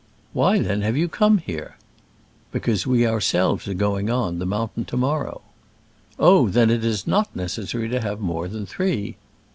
"Why, then, have you come here?" "Be cause we our selves are go ing on. the mountain to morrow." "Oh, then it is not necessary to have more than three?'